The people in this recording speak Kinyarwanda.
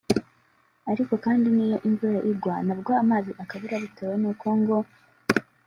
ariko kandi n’iyo imvura igwa nabwo amazi akabura bitewe n’uko ngo